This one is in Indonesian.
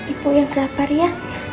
ibu yang siapar ya